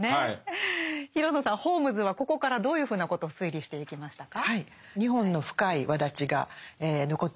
ホームズはここからどういうふうなことを推理していきましたか？